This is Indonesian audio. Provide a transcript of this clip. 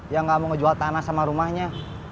yang enggak mau ngejual tanah sama rumahnya